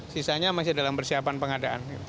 sisanya masih dalam persiapan pengadaan